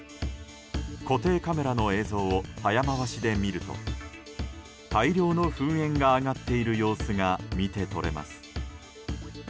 固定カメラの映像を早回しで見ると大量の噴煙が上がっている様子が見て取れます。